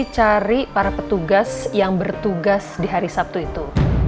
cari para petugas yang bertugas di hari sabtu itu